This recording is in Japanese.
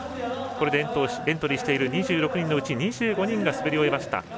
これでエントリーしている２６人のうち２５人が滑り終えました。